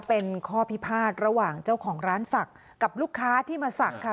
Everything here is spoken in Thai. เป็นข้อพิพาทระหว่างเจ้าของร้านศักดิ์กับลูกค้าที่มาศักดิ์ค่ะ